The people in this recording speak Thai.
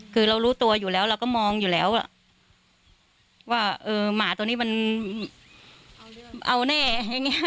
คือเรารู้ตัวอยู่แล้วเราก็มองอยู่แล้วว่าเออหมาตัวนี้มันเอาแน่อย่างนี้